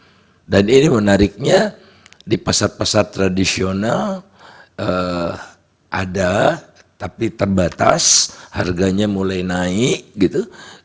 nah dan ini menariknya di pasar pasar tradisional ada tapi terbatas harganya mulai naik gitu